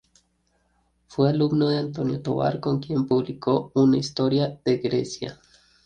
Fue alumno de Antonio Tovar, con quien publicó una "Historia de Grecia".